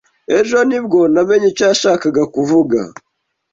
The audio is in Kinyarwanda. Ejo ni bwo namenye icyo yashakaga kuvuga.